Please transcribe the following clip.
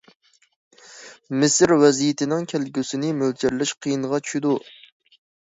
مىسىر ۋەزىيىتىنىڭ كەلگۈسىنى مۆلچەرلەش قىيىنغا چۈشىدۇ.